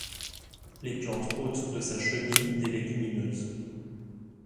Les plantes hôtes de sa chenille des légumineuses.